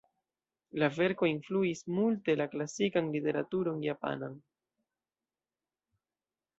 La verko influis multe la klasikan literaturon japanan.